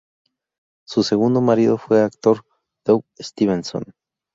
Su segundo marido fue el actor Doug Stevenson.